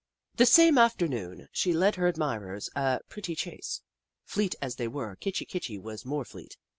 The same afternoon, she led her admirers a pretty chase. Fleet as they were, Kitchi Kitchi was more fleet.